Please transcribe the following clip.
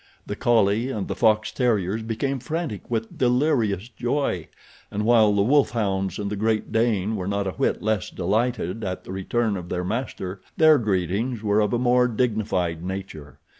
The collie and the fox terriers became frantic with delirious joy, and while the wolf hounds and the great Dane were not a whit less delighted at the return of their master their greetings were of a more dignified nature.